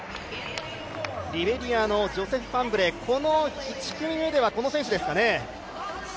リベリアのジョセフ・ファンブレー１組目では、この選手ですかね。